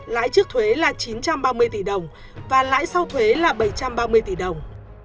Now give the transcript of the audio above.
lãi trước thuế là chín trăm ba mươi tỷ đồng và lãi sau thuế là bảy trăm ba mươi tỷ đồng